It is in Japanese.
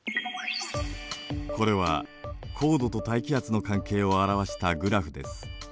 これは高度と大気圧の関係を表したグラフです。